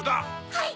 はい！